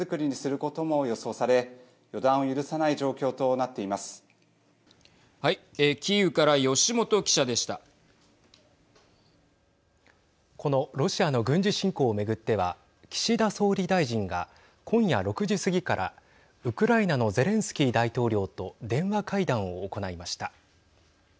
このロシアの軍事侵攻を巡っては岸田総理大臣が今夜６時過ぎからウクライナのゼレンスキー大統領と電話会談を行いました。